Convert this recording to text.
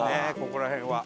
ここら辺は。